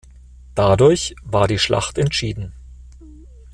Dadurch war die Schlacht entschieden.